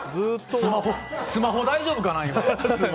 スマホ大丈夫かな。